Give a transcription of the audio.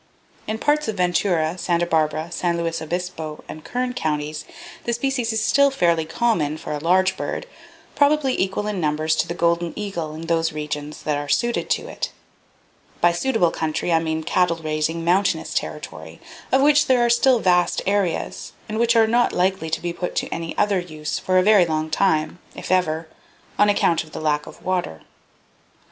In parts of Ventura, Santa Barbara, San Luis Obispo and Kern counties the species is still fairly common, for a large bird, probably equal in numbers to the golden eagle in those regions that are suited to [Page 23] it. By suitable country I mean cattle raising, mountainous territory, of which there are still vast areas, and which are not likely to be put to any other use for a very long time, if ever, on account of the lack of water.